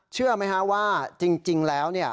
เชื่อไหมว่าจริงแล้ว